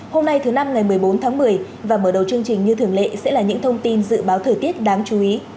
hôm nay thứ năm ngày một mươi bốn tháng một mươi và mở đầu chương trình như thường lệ sẽ là những thông tin dự báo thời tiết đáng chú ý